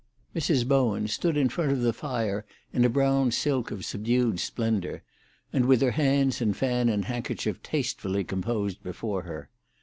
Mrs. Bowen stood in front of the fire in a brown silk of subdued splendour, and with her hands and fan and handkerchief tastefully composed before her.